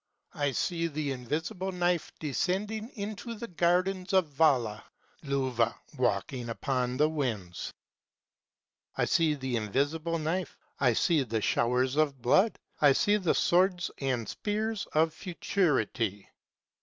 I seethe invisible knife descend into the gardens of Vala; 285 Luvah walking upon the winds ! I see the invisible knife, I see the showers of blood, I see the swords and spears of futurity.